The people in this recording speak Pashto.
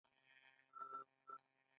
زه ملامت یم ګرانې وبخښه